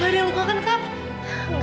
gak ada yang luka kan kak